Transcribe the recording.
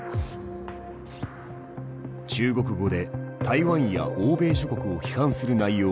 中国語で台湾や欧米諸国を批判する内容を投稿。